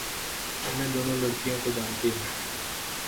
मैं दोनों लड़कीयों को जानती हूँ।